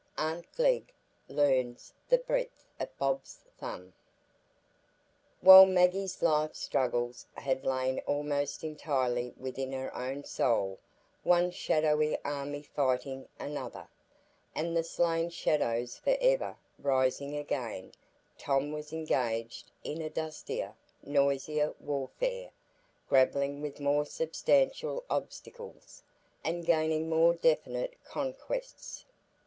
Aunt Glegg Learns the Breadth of Bob's Thumb While Maggie's life struggles had lain almost entirely within her own soul, one shadowy army fighting another, and the slain shadows forever rising again, Tom was engaged in a dustier, noisier warfare, grappling with more substantial obstacles, and gaining more definite conquests.